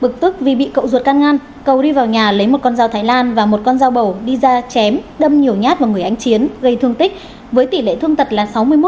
bực tức vì bị cậu ruột can ngăn cầu đi vào nhà lấy một con dao thái lan và một con dao bầu đi ra chém đâm nhiều nhát vào người anh chiến gây thương tích với tỷ lệ thương tật là sáu mươi một